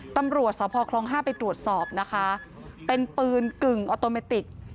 ตำรวจสพคลอง๕ไปตรวจสอบนะคะเป็นปืนกึ่งออโตเมติก